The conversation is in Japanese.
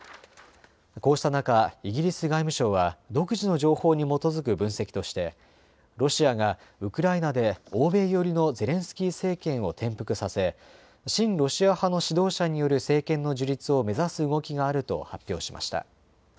こうした中、イギリス外務省は独自の情報に基づく分析としてロシアがウクライナで欧米寄りのゼレンスキー政権を転覆させ、親ロシア派の指導者による政権の樹立を目指す動きがあると発表しました。